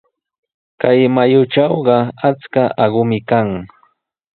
Kay mayutrawqa achka aqumi kan.